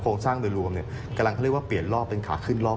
โครงสร้างโดยรวมกำลังที่เรียกว่าเปลี่ยนรอบ